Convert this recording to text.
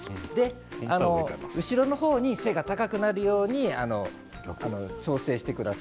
後ろの方に背が高くなるように調整してください。